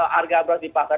harga beras di pasar